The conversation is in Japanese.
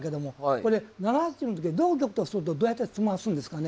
これ７八の時が同玉とするとどうやって詰ますんですかね。